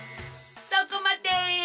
そこまで！